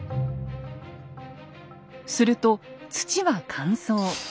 すると土は乾燥。